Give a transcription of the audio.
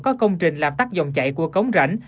có công trình làm tắt dòng chạy của cống rãnh